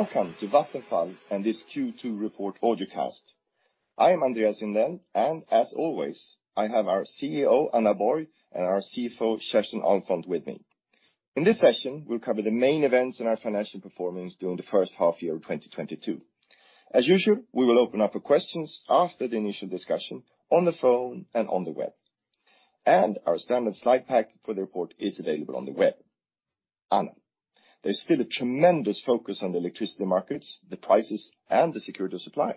Welcome to Vattenfall and this Q2 report audio cast. I am Andreas Regnell, and as always, I have our CEO, Anna Borg, and our CFO, Kerstin Ahlfont with me. In this session, we'll cover the main events in our financial performance during the first half year of 2022. As usual, we will open up for questions after the initial discussion on the phone and on the web. Our standard slide pack for the report is available on the web. Anna, there's still a tremendous focus on the electricity markets, the prices, and the security of supply.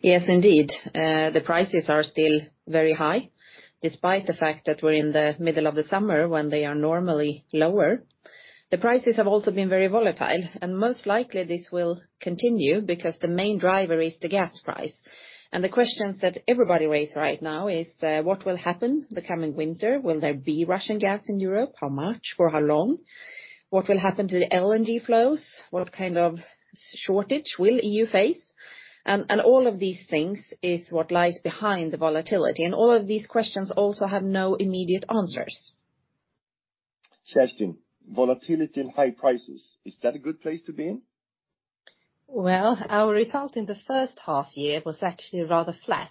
Yes, indeed. The prices are still very high despite the fact that we're in the middle of the summer when they are normally lower. The prices have also been very volatile, and most likely this will continue because the main driver is the gas price. The questions that everybody raise right now is, what will happen the coming winter? Will there be Russian gas in Europe? How much? For how long? What will happen to the LNG flows? What kind of shortage will EU face? And all of these things is what lies behind the volatility, and all of these questions also have no immediate answers. Kerstin, volatility and high prices, is that a good place to be in? Well, our result in the first half year was actually rather flat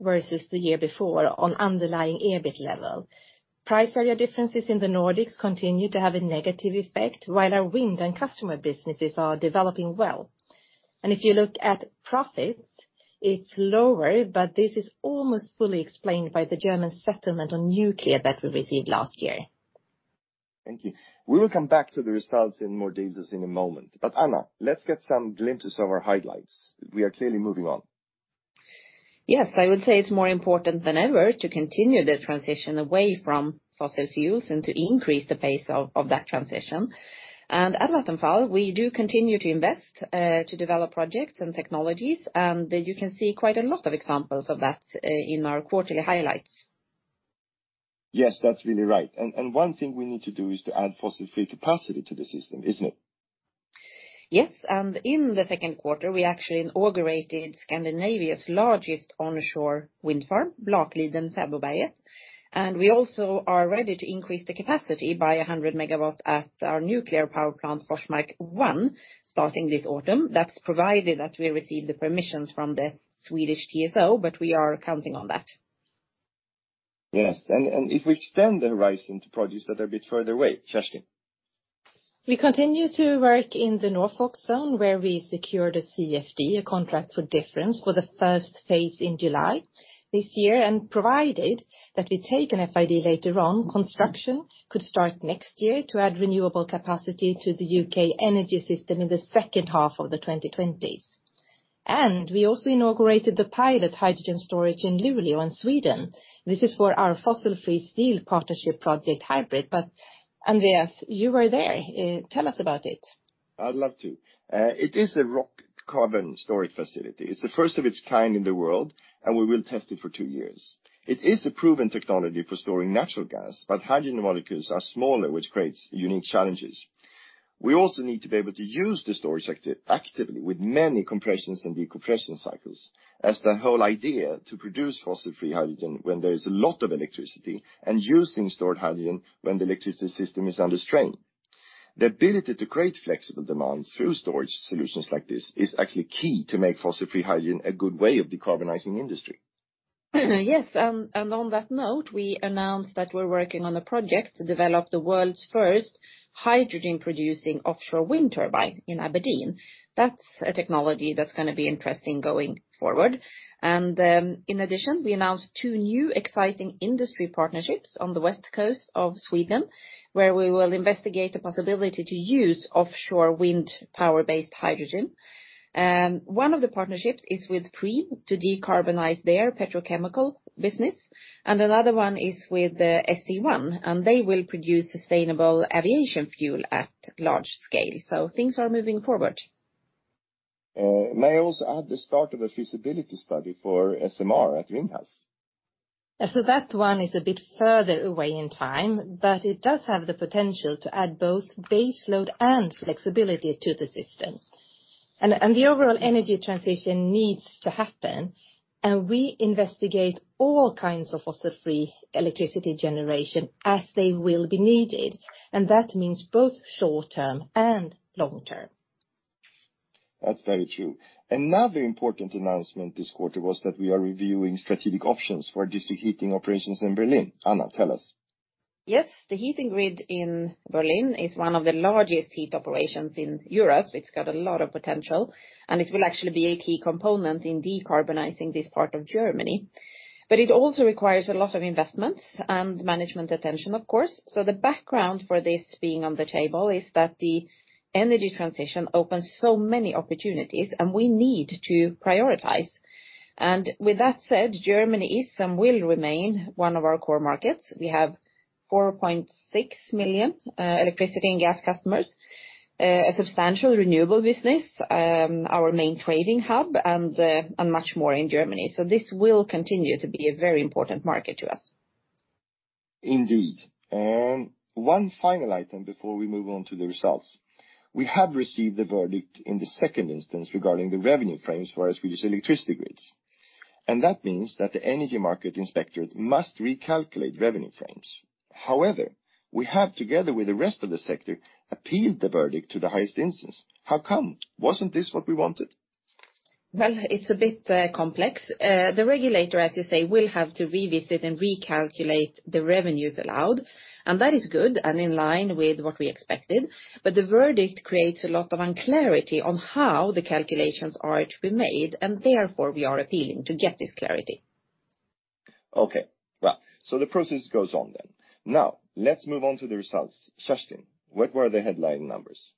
versus the year before on underlying EBIT level. Price area differences in the Nordics continue to have a negative effect, while our wind and customer businesses are developing well. If you look at profits, it's lower, but this is almost fully explained by the German settlement on nuclear that we received last year. Thank you. We will come back to the results in more details in a moment. Anna, let's get some glimpses of our highlights. We are clearly moving on. Yes. I would say it's more important than ever to continue the transition away from fossil fuels and to increase the pace of that transition. At Vattenfall, we do continue to invest to develop projects and technologies, and you can see quite a lot of examples of that in our quarterly highlights. Yes, that's really right. One thing we need to do is to add fossil-free capacity to the system, isn't it? Yes. In the second quarter, we actually inaugurated Scandinavia's largest onshore wind farm, Blakliden Fäbodberget. We also are ready to increase the capacity by 100 MW at our nuclear power plant, Forsmark 1, starting this autumn. That's provided that we receive the permissions from the Swedish TSO, but we are counting on that. Yes. If we extend the horizon to projects that are a bit further away, Kerstin. We continue to work in the Norfolk Zone, where we secure the CfD, contracts for difference, for the first phase in July this year. Provided that we take an FID later on, construction could start next year to add renewable capacity to the UK energy system in the second half of the 2020s. We also inaugurated the pilot hydrogen storage in Luleå in Sweden. This is for our fossil-free steel partnership project HYBRIT. Andreas, you were there. Tell us about it. I'd love to. It is a rock cavern storage facility. It's the first of its kind in the world, and we will test it for two years. It is a proven technology for storing natural gas, but hydrogen molecules are smaller, which creates unique challenges. We also need to be able to use the storage actively with many compressions and decompression cycles, as the whole idea to produce fossil-free hydrogen when there is a lot of electricity and using stored hydrogen when the electricity system is under strain. The ability to create flexible demand through storage solutions like this is actually key to make fossil-free hydrogen a good way of decarbonizing industry. Yes, on that note, we announced that we're working on a project to develop the world's first hydrogen-producing offshore wind turbine in Aberdeen. That's a technology that's gonna be interesting going forward. In addition, we announced two new exciting industry partnerships on the west coast of Sweden, where we will investigate the possibility to use offshore wind power-based hydrogen. One of the partnerships is with Preem to decarbonize their petrochemical business. Another one is with St1, and they will produce sustainable aviation fuel at large scale. Things are moving forward. May I also add the start of a feasibility study for SMR at Ringhals? That one is a bit further away in time, but it does have the potential to add both baseload and flexibility to the system. The overall energy transition needs to happen, and we investigate all kinds of fossil-free electricity generation as they will be needed, and that means both short-term and long-term. That's very true. Another important announcement this quarter was that we are reviewing strategic options for district heating operations in Berlin. Anna, tell us. Yes. The heating grid in Berlin is one of the largest heat operations in Europe. It's got a lot of potential, and it will actually be a key component in decarbonizing this part of Germany. It also requires a lot of investments and management attention, of course. The background for this being on the table is that the energy transition opens so many opportunities, and we need to prioritize. With that said, Germany is and will remain one of our core markets. We have 4.6 million electricity and gas customers, a substantial renewable business, our main trading hub and much more in Germany. This will continue to be a very important market to us. Indeed. One final item before we move on to the results. We have received the verdict in the second instance regarding the revenue frames for our Swedish electricity grids. That means that the Swedish Energy Markets Inspectorate must recalculate revenue frames. However, we have, together with the rest of the sector, appealed the verdict to the Supreme Administrative Court. How come? Wasn't this what we wanted? Well, it's a bit complex. The regulator, as you say, will have to revisit and recalculate the revenues allowed, and that is good and in line with what we expected. The verdict creates a lot of unclarity on how the calculations are to be made, and therefore we are appealing to get this clarity. Okay. Well, the process goes on then. Now, let's move on to the results. Kerstin, what were the headline numbers?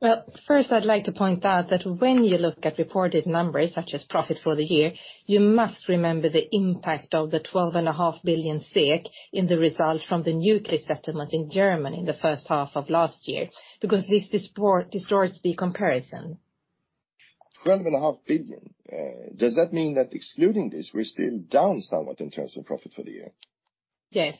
Well, first, I'd like to point out that when you look at reported numbers, such as profit for the year, you must remember the impact of 12.5 billion SEK in the result from the nuclear settlement in Germany in the first half of last year, because this distorts the comparison. 12.5 billion? Does that mean that excluding this, we're still down somewhat in terms of profit for the year? Yes.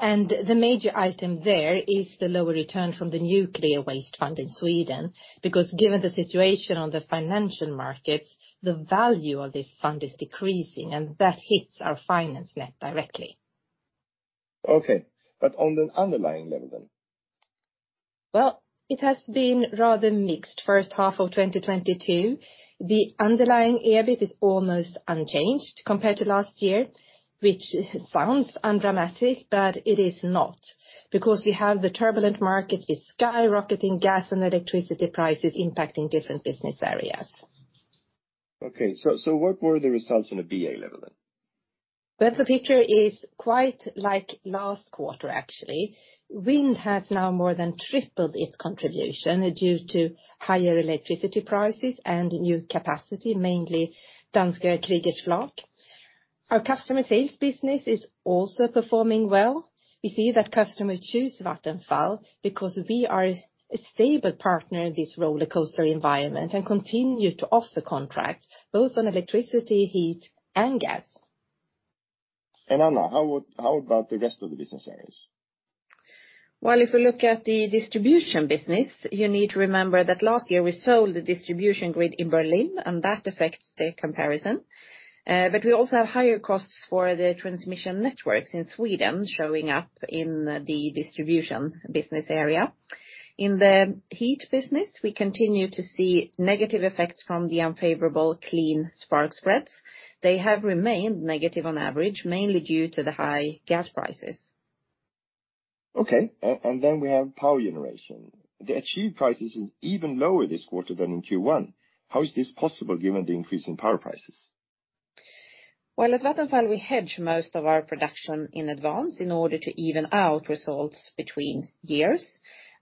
The major item there is the lower return from the nuclear waste fund in Sweden, because given the situation on the financial markets, the value of this fund is decreasing, and that hits our finance net directly. Okay. On the underlying level then? Well, it has been rather mixed first half of 2022. The underlying EBIT is almost unchanged compared to last year, which sounds undramatic, but it is not. Because we have the turbulent market with skyrocketing gas and electricity prices impacting different business areas. What were the results on a BA level then? Well, the picture is quite like last quarter, actually. Wind has now more than tripled its contribution due to higher electricity prices and new capacity, mainly Danish Kriegers Flak. Our customer sales business is also performing well. We see that customers choose Vattenfall because we are a stable partner in this roller coaster environment and continue to offer contracts both on electricity, heat, and gas. Anna, how about the rest of the business areas? Well, if you look at the distribution business, you need to remember that last year we sold the distribution grid in Berlin, and that affects the comparison. We also have higher costs for the transmission networks in Sweden showing up in the distribution business area. In the heat business, we continue to see negative effects from the unfavorable clean spark spreads. They have remained negative on average, mainly due to the high gas prices. Okay. We have power generation. The achieved prices is even lower this quarter than in Q1. How is this possible given the increase in power prices? Well, at Vattenfall, we hedge most of our production in advance in order to even out results between years,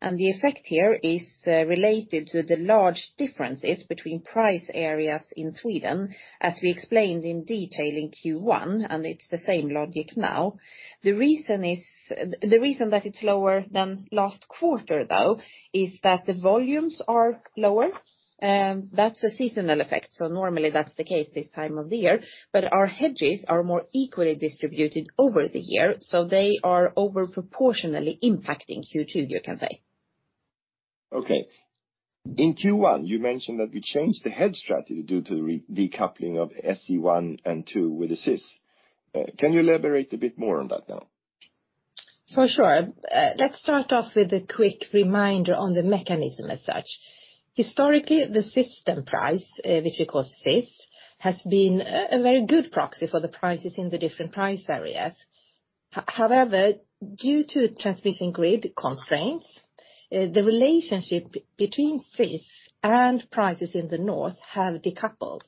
and the effect here is related to the large differences between price areas in Sweden, as we explained in detail in Q1, and it's the same logic now. The reason that it's lower than last quarter, though, is that the volumes are lower. That's a seasonal effect, so normally that's the case this time of the year. Our hedges are more equally distributed over the year, so they are over proportionally impacting Q2, you can say. Okay. In Q1, you mentioned that you changed the hedge strategy due to the re-decoupling of SE1 and SE2 with the SYS. Can you elaborate a bit more on that now? For sure. Let's start off with a quick reminder on the mechanism as such. Historically, the system price, which we call SYS, has been a very good proxy for the prices in the different price areas. However, due to transmission grid constraints, the relationship between SYS and prices in the North have decoupled.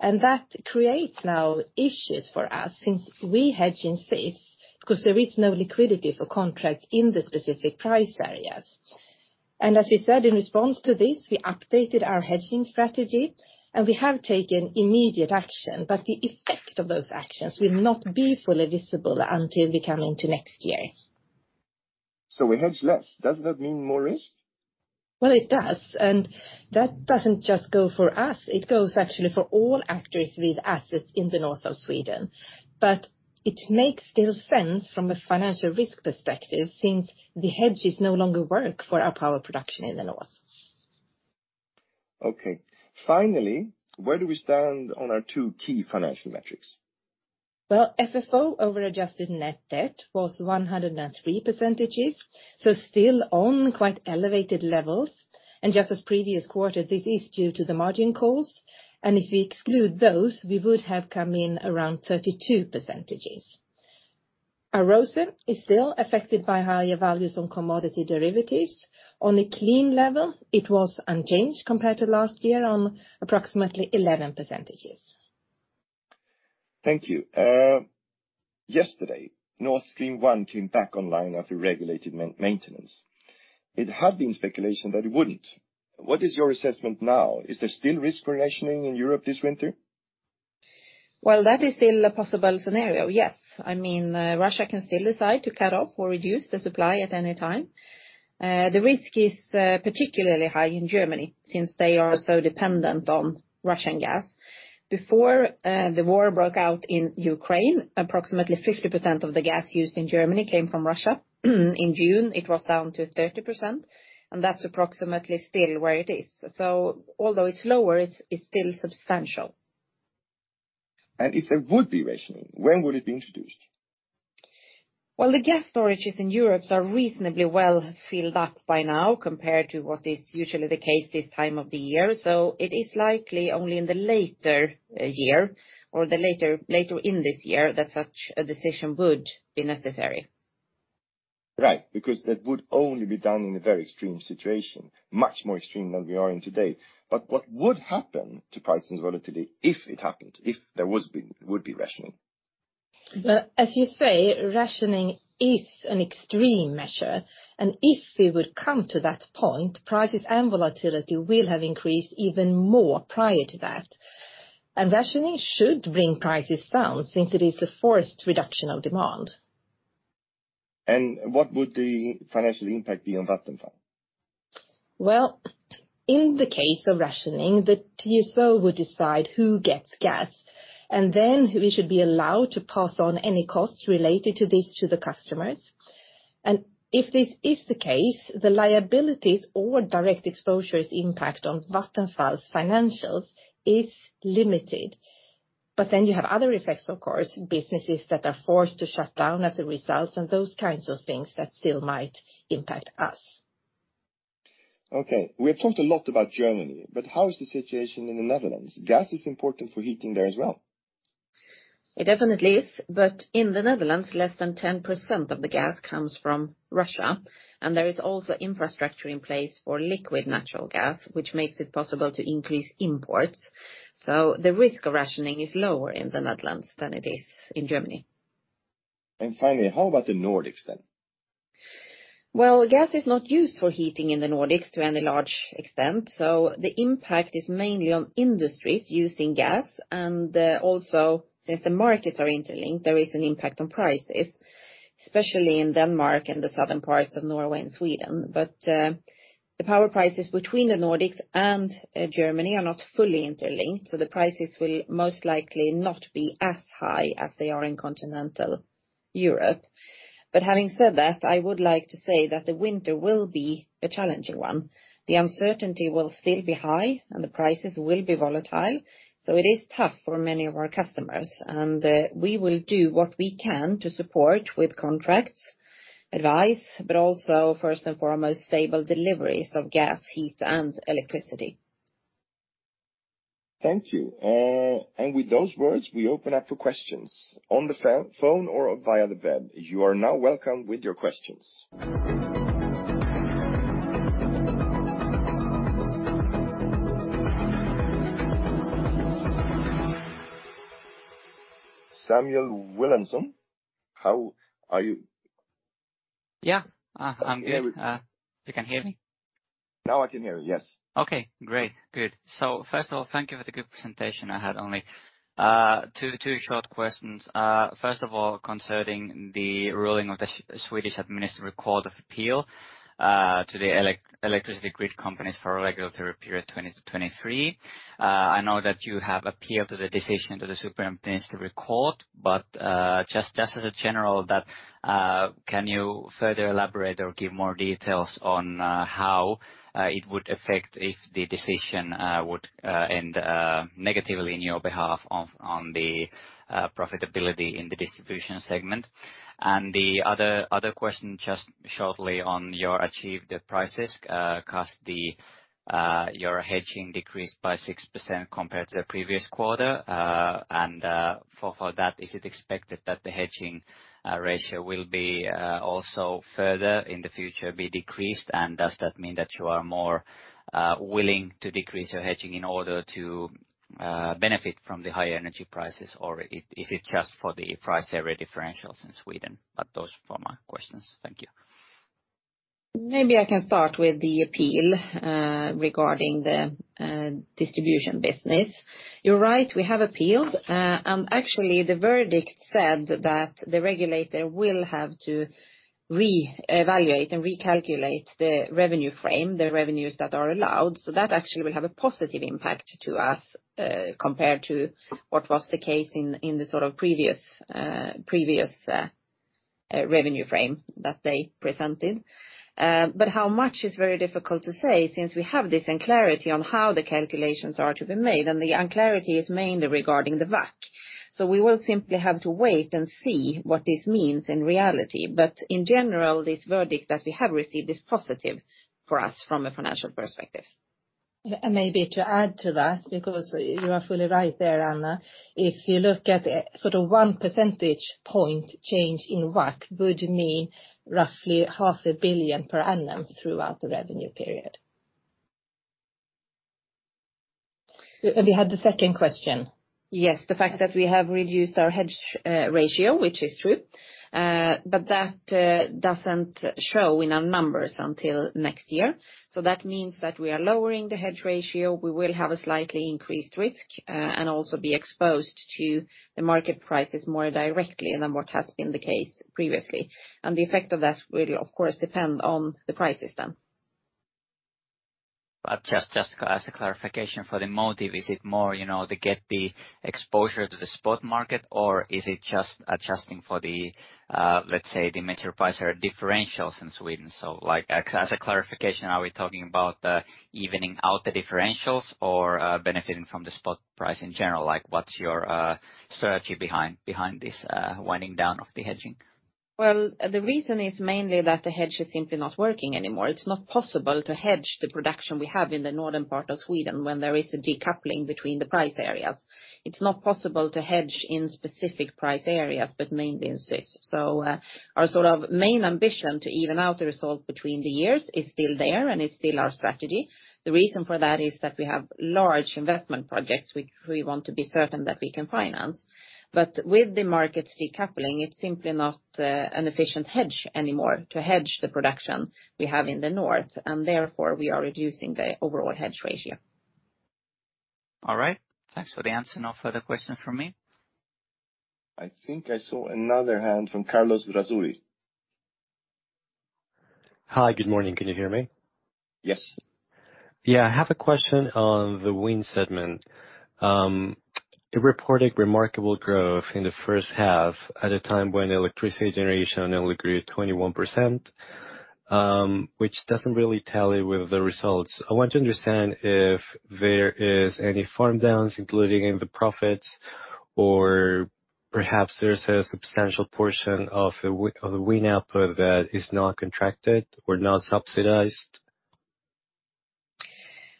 That creates now issues for us since we hedge in SYS because there is no liquidity for contract in the specific price areas. As we said in response to this, we updated our hedging strategy, and we have taken immediate action, but the effect of those actions will not be fully visible until we come into next year. We hedge less. Does that mean more risk? Well, it does, and that doesn't just go for us. It goes actually for all actors with assets in the north of Sweden. It makes still sense from a financial risk perspective since the hedges no longer work for our power production in the North. Okay. Finally, where do we stand on our two key financial metrics? Well, FFO over adjusted net debt was 103%, so still on quite elevated levels. Just as previous quarter, this is due to the margin calls. If we exclude those, we would have come in around 32%. Our ROCE is still affected by higher values on commodity derivatives. On a clean level, it was unchanged compared to last year on approximately 11%. Thank you. Yesterday, Nord Stream One came back online after regulated maintenance. It had been speculation that it wouldn't. What is your assessment now? Is there still risk for rationing in Europe this winter? Well, that is still a possible scenario, yes. I mean, Russia can still decide to cut off or reduce the supply at any time. The risk is particularly high in Germany since they are so dependent on Russian gas. Before the war broke out in Ukraine, approximately 50% of the gas used in Germany came from Russia. In June, it was down to 30%, and that's approximately still where it is. Although it's lower, it's still substantial. If there would be rationing, when would it be introduced? Well, the gas storages in Europe are reasonably well filled up by now compared to what is usually the case this time of the year. It is likely only in the later year or later in this year that such a decision would be necessary. Right. Because that would only be done in a very extreme situation, much more extreme than we are in today. What would happen to price volatility if it happened, if there was rationing? Well, as you say, rationing is an extreme measure, and if we would come to that point, prices and volatility will have increased even more prior to that. Rationing should bring prices down since it is a forced reduction of demand. What would the financial impact be on Vattenfall? Well, in the case of rationing, the TSO would decide who gets gas, and then we should be allowed to pass on any costs related to this to the customers. If this is the case, the liabilities or direct exposure's impact on Vattenfall's financials is limited. You have other effects, of course, businesses that are forced to shut down as a result and those kinds of things that still might impact us. Okay. We have talked a lot about Germany, but how is the situation in the Netherlands? Gas is important for heating there as well. It definitely is. In the Netherlands, less than 10% of the gas comes from Russia, and there is also infrastructure in place for liquid natural gas, which makes it possible to increase imports. The risk of rationing is lower in the Netherlands than it is in Germany. Finally, how about the Nordics then? Well, gas is not used for heating in the Nordics to any large extent, so the impact is mainly on industries using gas. Also, since the markets are interlinked, there is an impact on prices, especially in Denmark and the southern parts of Norway and Sweden. The power prices between the Nordics and Germany are not fully interlinked, so the prices will most likely not be as high as they are in continental Europe. Having said that, I would like to say that the winter will be a challenging one. The uncertainty will still be high, and the prices will be volatile. It is tough for many of our customers, and we will do what we can to support with contracts, advice, but also, first and foremost, stable deliveries of gas, heat, and electricity. Thank you. With those words, we open up for questions on the phone or via the web. You are now welcome with your questions. Samu Wilhelmsson, how are you? Yeah, I'm good. You can hear me? Now I can hear you, yes. Okay, great. Good. First of all, thank you for the good presentation I have only two short questions. First of all, concerning the ruling of the Swedish Administrative Court of Appeal to the electricity grid companies for regulatory period 2020-2023. I know that you have appealed the decision to the Supreme Administrative Court, but just in general, that can you further elaborate or give more details on how it would affect if the decision would end negatively on your behalf, on the profitability in the distribution segment? The other question, just shortly on your achieved prices, 'cause your hedging decreased by 6% compared to the previous quarter. For that, is it expected that the hedging ratio will be also further in the future be decreased? Does that mean that you are more willing to decrease your hedging in order to benefit from the higher energy prices, or is it just for the price area differentials in Sweden? Those are my questions. Thank you. Maybe I can start with the appeal regarding the distribution business. You're right, we have appealed. Actually, the verdict said that the regulator will have to re-evaluate and recalculate the revenue frame, the revenues that are allowed. That actually will have a positive impact to us compared to what was the case in the sort of previous revenue frame that they presented. How much is very difficult to say since we have this unclarity on how the calculations are to be made, and the unclarity is mainly regarding the WACC. We will simply have to wait and see what this means in reality. In general, this verdict that we have received is positive for us from a financial perspective. Maybe to add to that, because you are fully right there, Anna. If you look at it, sort of one percentage point change in WACC would mean roughly 0.5 billion per annum throughout the revenue period. We had the second question. Yes, the fact that we have reduced our hedge ratio, which is true, but that doesn't show in our numbers until next year. That means that we are lowering the hedge ratio. We will have a slightly increased risk and also be exposed to the market prices more directly than what has been the case previously. The effect of that will, of course, depend on the prices then. Just as a clarification for the motive, is it more, you know, to get the exposure to the spot market, or is it just adjusting for the, let's say, the major price differentials in Sweden? Like, as a clarification, are we talking about evening out the differentials or benefiting from the spot price in general? Like, what's your strategy behind this winding down of the hedging? Well, the reason is mainly that the hedge is simply not working anymore. It's not possible to hedge the production we have in the northern part of Sweden when there is a decoupling between the price areas. It's not possible to hedge in specific price areas, but mainly in SYS. Our sort of main ambition to even out the result between the years is still there, and it's still our strategy. The reason for that is that we have large investment projects which we want to be certain that we can finance. With the markets decoupling, it's simply not an efficient hedge anymore to hedge the production we have in the north, and therefore we are reducing the overall hedge ratio. All right. Thanks for the answer. No further questions from me. I think I saw another hand from Carlos Razuri. Hi. Good morning. Can you hear me? Yes. Yeah. I have a question on the wind segment. It reported remarkable growth in the first half at a time when electricity generation only grew 21%, which doesn't really tally with the results. I want to understand if there is any farm-downs included in the profits, or perhaps there's a substantial portion of the wind output that is not contracted or not subsidized.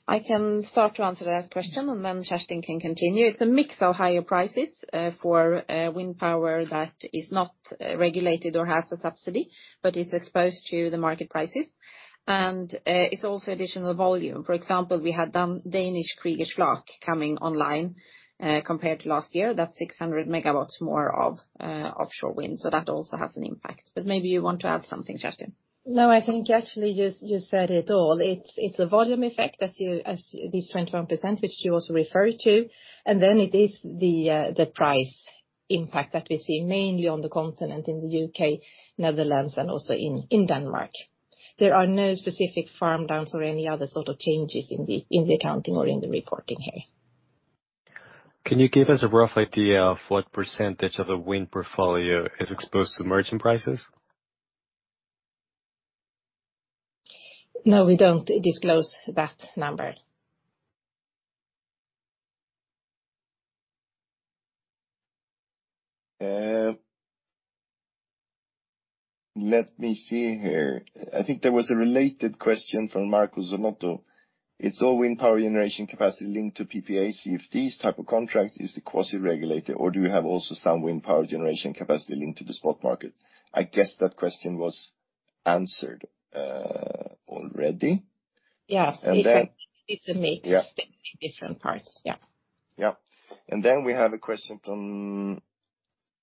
I can start to answer that question, and then Kerstin can continue. It's a mix of higher prices for wind power that is not regulated or has a subsidy, but is exposed to the market prices. It's also additional volume. For example, we had the Danish Kriegers Flak coming online compared to last year. That's 600 MW more of offshore wind. That also has an impact. Maybe you want to add something, Kerstin. No, I think actually you said it all. It's a volume effect as this 21%, which you also referred to. It is the price impact that we see mainly on the continent in the UK, Netherlands, and also in Denmark. There are no specific farm downs or any other sort of changes in the accounting or in the reporting here. Can you give us a rough idea of what percentage of the wind portfolio is exposed to merchant prices? No, we don't disclose that number. Let me see here. I think there was a related question from Marco Matuonto. Is all wind power generation capacity linked to PPAs, CfDs type of contract is the quasi-regulator, or do you have also some wind power generation capacity linked to the spot market? I guess that question was answered already. Yeah. And then. It's a mix. Yeah. Of different parts, yeah. Yeah. Then we have a question from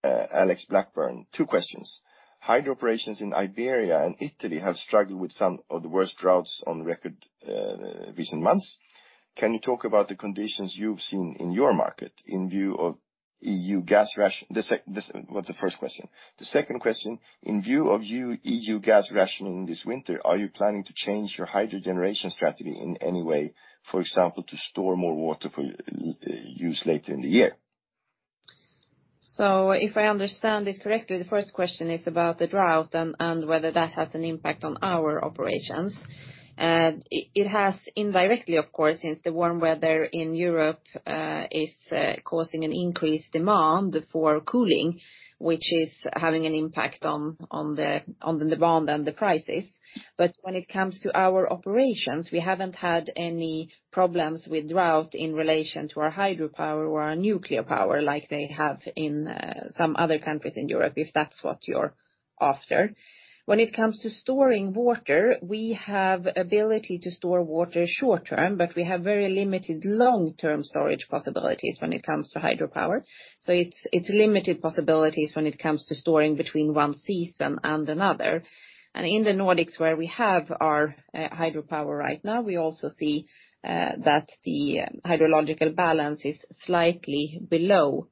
Alex Blackburn. Two questions. Hydro operations in Iberia and Italy have struggled with some of the worst droughts on record, recent months. Can you talk about the conditions you've seen in your market in view of EU gas rationing? This was the first question. The second question, in view of EU gas rationing this winter, are you planning to change your hydro generation strategy in any way, for example, to store more water for use later in the year? If I understand it correctly, the first question is about the drought and whether that has an impact on our operations. It has indirectly, of course, since the warm weather in Europe is causing an increased demand for cooling, which is having an impact on the demand and the prices. When it comes to our operations, we haven't had any problems with drought in relation to our hydropower or our nuclear power like they have in some other countries in Europe, if that's what you're after. When it comes to storing water, we have ability to store water short-term, but we have very limited long-term storage possibilities when it comes to hydropower. It's limited possibilities when it comes to storing between one season and another. In the Nordics, where we have our hydropower right now, we also see that the hydrological balance is slightly below normal,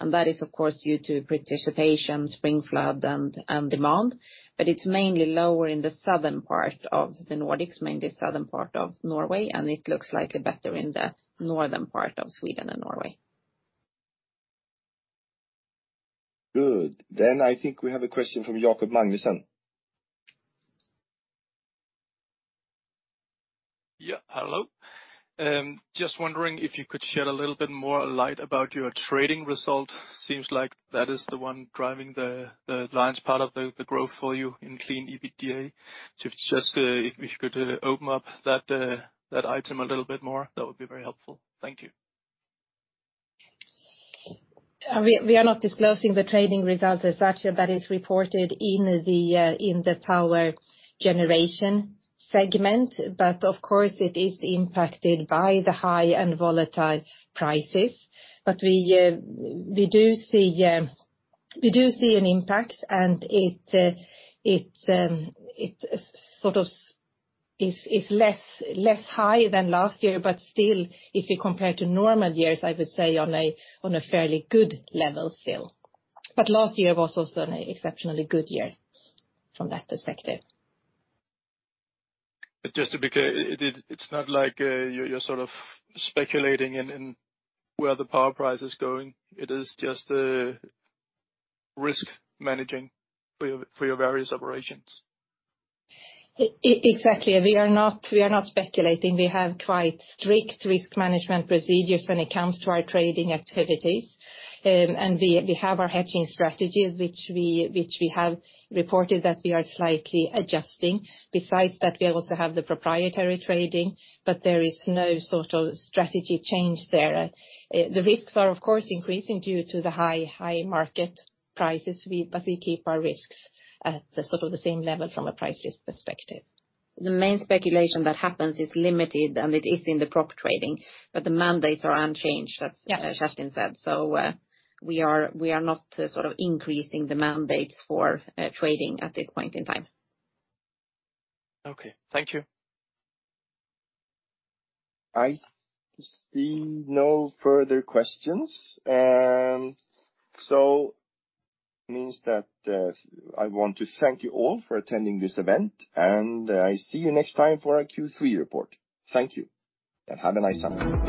and that is, of course, due to precipitation, spring flood, and demand. It's mainly lower in the southern part of the Nordics, mainly southern part of Norway, and it looks slightly better in the northern part of Sweden and Norway. Good. I think we have a question from Jakob Magnussen. Yeah, hello. Just wondering if you could shed a little bit more light about your trading result. Seems like that is the one driving the lion's part of the growth for you in clean EBITDA. If you could open up that item a little bit more, that would be very helpful. Thank you. We are not disclosing the trading results as such. That is reported in the power generation segment. Of course, it is impacted by the high and volatile prices. We do see an impact, and it sort of is less high than last year. Still, if you compare to normal years, I would say on a fairly good level still. Last year was also an exceptionally good year from that perspective. Just to be clear, it's not like you're sort of speculating in where the power price is going. It is just a risk managing for your various operations. Exactly. We are not speculating. We have quite strict risk management procedures when it comes to our trading activities. We have our hedging strategies, which we have reported that we are slightly adjusting. Besides that, we also have the proprietary trading, but there is no sort of strategy change there. The risks are, of course, increasing due to the high market prices. We keep our risks at the sort of the same level from a price risk perspective. The main speculation that happens is limited, and it is in the power trading, but the mandates are unchanged. Yeah. As Kerstin said. We are not sort of increasing the mandates for trading at this point in time. Okay. Thank you. I see no further questions. I want to thank you all for attending this event, and I'll see you next time for our Q3 report. Thank you. Have a nice afternoon.